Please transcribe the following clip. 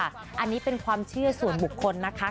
อันนี้เป็นความเชื่อส่วนบุคคลนะคะ